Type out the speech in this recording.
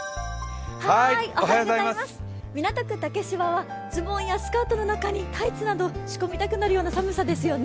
港区竹芝はズボンやスカートの中にタイツなど仕込みたくなるような寒さですね。